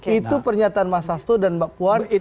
itu pernyataan mas sasto dan mbak puan